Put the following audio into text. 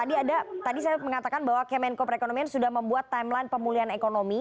tadi ada tadi saya mengatakan bahwa kemenko perekonomian sudah membuat timeline pemulihan ekonomi